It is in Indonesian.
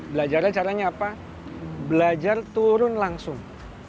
belajarnya caranya apa belajar turun langsung